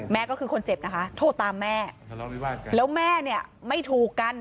แม่ก็คือคนเจ็บนะคะโทรตามแม่แล้วแม่เนี่ยไม่ถูกกัน